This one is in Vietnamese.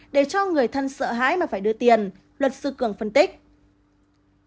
để cho người thân sợ hãi mà phải đưa tiền luật sư cường phân tích